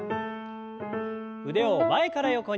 腕を前から横に。